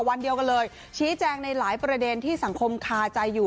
วันเดียวกันเลยชี้แจงในหลายประเด็นที่สังคมคาใจอยู่